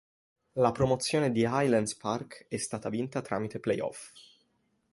La promozione di Highlands Park è stata vinta tramite playoff.